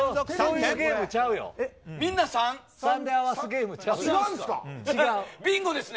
３で合わせるゲームちゃうよ！